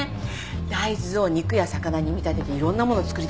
大豆を肉や魚に見立てていろんなものを作り出したり。